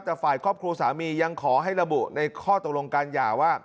แต่ฝ่ายครอบครัวสามียังขอให้ระบุในข้อตกลงการหย่าว่า